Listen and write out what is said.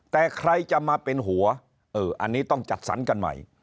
แต่ใครจะมาเป็นหัวอันนี้ต้องจัดสรรกันใหม่